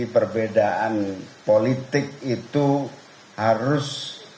perbedaan politik itu harus